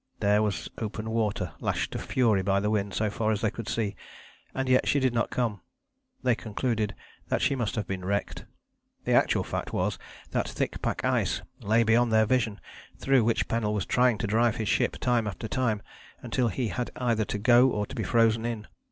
There was open water lashed to fury by the wind so far as they could see, and yet she did not come. They concluded that she must have been wrecked. The actual fact was that thick pack ice lay beyond their vision through which Pennell was trying to drive his ship time after time, until he had either to go or to be frozen in.